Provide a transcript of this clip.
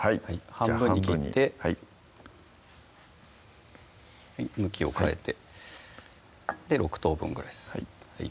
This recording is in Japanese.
半分に切って向きを変えて６等分ぐらいですね